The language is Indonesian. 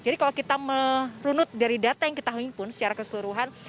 jadi kalau kita merunut dari data yang kita impun secara keseluruhan